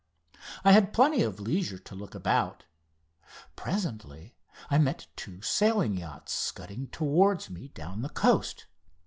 I had plenty of leisure to look about. Presently I met two sailing yachts scudding towards me down the coast.